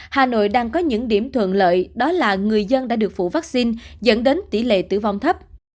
hà nội đang có những điểm thuận lợi đó là người dân đã được phủ vaccine dẫn đến tỷ lệ tử vong thấp